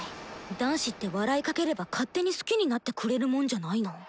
男子って笑いかければ勝手に好きになってくれるもんじゃないの？